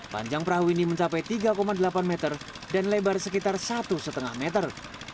panjang perahu ini mencapai tiga delapan meter dan lebar sekitar satu lima meter